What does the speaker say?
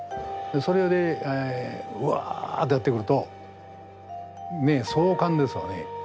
それで「わ」ってやって来ると壮観ですわね。